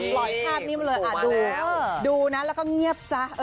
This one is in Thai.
ภาพนี้มาเลยดูนะแล้วก็เงียบซะ